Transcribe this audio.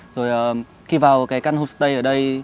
rồi khi vào cái căn homestay ở đây